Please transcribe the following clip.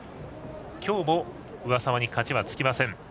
今日も上沢に勝ちはつきません。